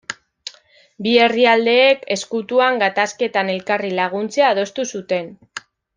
Bi herrialdeek, ezkutuan, gatazketan elkarri laguntzea adostu zuten.